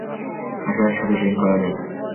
আসো, একসাথে ড্রিংক করা যাক।